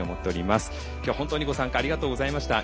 今日は本当にご参加ありがとうございました。